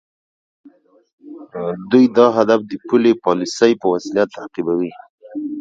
دوی دا هدف د پولي پالیسۍ په وسیله تعقیبوي.